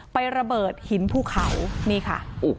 ระเบิดหินภูเขานี่ค่ะ